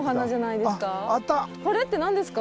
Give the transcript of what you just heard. これって何ですか？